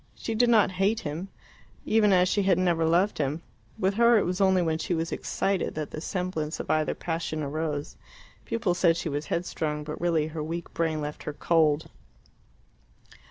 She did not hate him, even as she had never loved him; with her it was only when she was excited that the semblance of either passion arose. People said she was headstrong, but really her weak brain left her cold.